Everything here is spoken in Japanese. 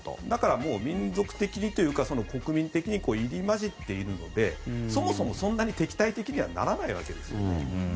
だから民族的にというか国民的に入り交じっているのでそもそもそんなに敵対的にはならないわけです。